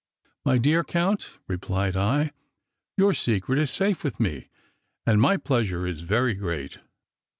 "My dear count," replied I, "your secret is safe with me, and my pleasure is very great."